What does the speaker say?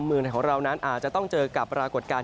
เมืองไทยของเรานั้นอาจจะต้องเจอกับปรากฏการณ์